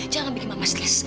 jangan bikin mama stres